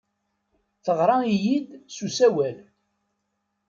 Teɣra-iyi-d s usawal.